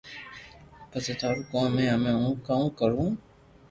پسي ٿارو ڪوم ھي ھمي ھون ڪاو ڪرو